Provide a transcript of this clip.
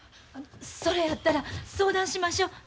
それやったら相談しましょ。